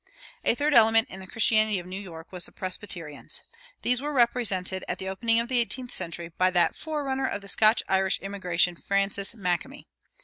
A third element in the early Christianity of New York was the Presbyterians. These were represented, at the opening of the eighteenth century, by that forerunner of the Scotch Irish immigration, Francis Makemie.